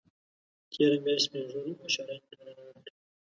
تېره میاشت سپین ږیرو او مشرانو ټولنه وکړه